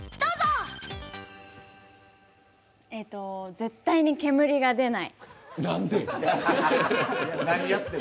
絶対に煙が出ない。